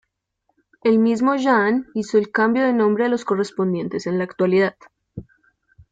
El mismo Jahn hizo el cambio de nombre a los correspondientes en la actualidad.